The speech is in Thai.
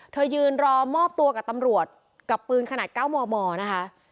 เธอยืนรอมอบตัวกับตำรวจกับปืนขนาดเก้าหม่อนะคะ